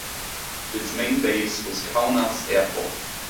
Its main base was Kaunas Airport.